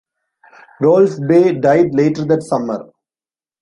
Rolf Bae died later that summer.